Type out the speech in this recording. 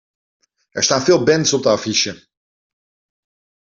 Er staan veel bands op de affiche.